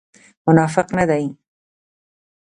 منافق نه دی.